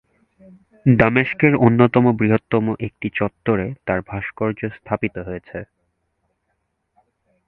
দামেস্কের অন্যতম বৃহত্তম একটি চত্বরে তার ভাস্কর্য স্থাপিত হয়েছে।